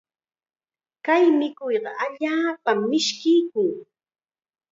Kay mikuyqa allaapam mishkiykun.